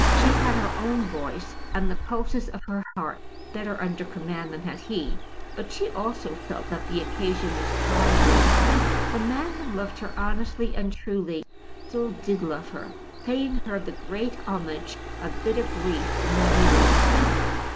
She had her own voice, and the pulses of her heart better under command than had he; but she also felt that the occasion was trying to her. The man had loved her honestly and truly, still did love her, paying her the great homage of bitter grief in that he had lost her.